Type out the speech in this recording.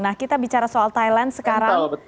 nah kita bicara soal thailand sekarang